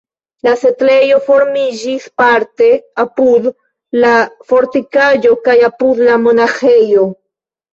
La setlejo formiĝis parte apud la fortikaĵo kaj apud la monaĥejo.